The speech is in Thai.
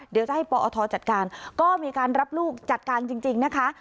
เดี๋ยวจะให้ปอทจัดการก็มีการรับลูกจัดการจริงนะคะ